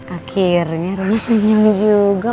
akhirnya rena senyum juga